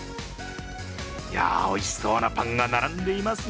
いや、おいしそうなパンが並んでいますね。